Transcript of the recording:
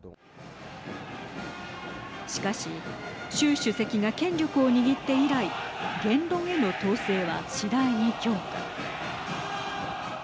しかし習主席が権力を握って以来言論への統制は次第に強化。